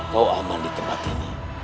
kau aman di tempat ini